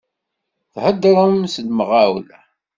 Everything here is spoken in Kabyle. Theddṛem s lemɣawla.